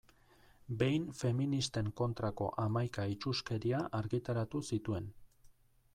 Behin feministen kontrako hamaika itsuskeria argitaratu zituen.